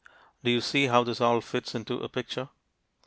Do you see how this all fits into a picture?